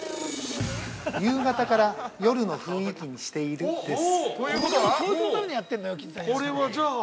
◆夕方から夜の雰囲気にしているです。